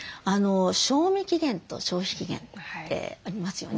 賞味期限と消費期限ってありますよね。